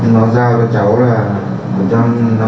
nó giao cho cháu là